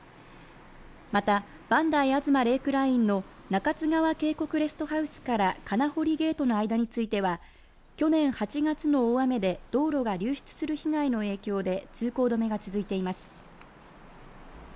また、磐梯吾妻レークラインの中津川渓谷レストハウスから金堀ゲートの間については去年８月の大雨で道路が流失する被害の影響で通行止めが続いています。